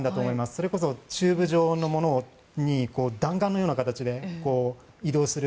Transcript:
それこそチューブ状のものに弾丸のような形で移動する、